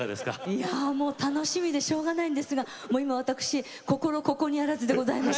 いやもう楽しみでしょうがないんですがもう今わたくし心ここにあらずでございます。